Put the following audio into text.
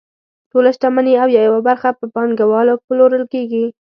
ټوله شتمني او یا یوه برخه په پانګوالو پلورل کیږي.